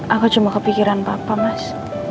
aku cuma kepikiran papa mas